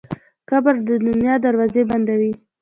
قبر د دنیا دروازې بندوي.